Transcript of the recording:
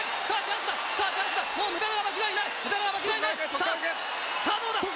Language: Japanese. さあどうだ？